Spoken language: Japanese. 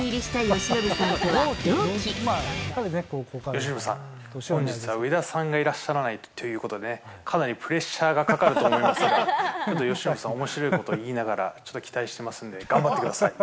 由伸さん、本日は上田さんがいらっしゃらないということでね、かなりプレッシャーがかかると思いますが、由伸さんちょっとおもしろいこと言いながら、ちょっと期待してますんで、頑張ってください。